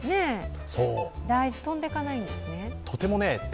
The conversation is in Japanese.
外で、飛んでかないんですね。